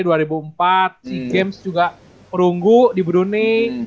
si games juga perunggu di brunei